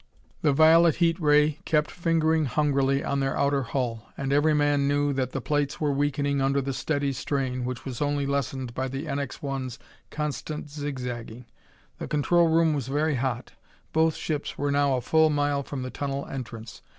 The violet heat ray kept fingering hungrily on their outer hull, and every man knew that the plates were weakening under the steady strain, which was only lessened by the NX 1's constant zigzagging. The control room was very hot. Both ships were now a full mile from the tunnel entrance.